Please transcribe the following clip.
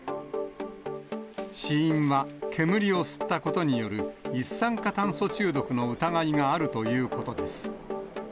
死因は、煙を吸ったことによる一酸化炭素中毒の疑いがあるということです。